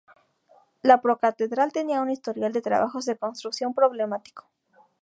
La pro-catedral tenía un historial de trabajos de construcción problemático.